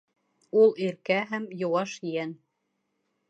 Ул иркә һәм йыуаш йән